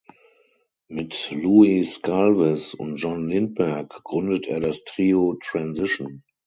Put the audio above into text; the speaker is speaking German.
Mit Louis Sclavis und John Lindberg gründet er das Trio "Transition".